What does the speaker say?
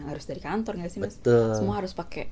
harus dari kantor semua harus pakai